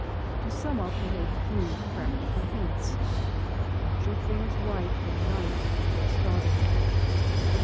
To sum up with a few practical hints : Put your things right the night before starting.